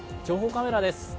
情報カメラです。